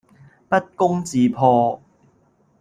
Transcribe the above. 不攻自破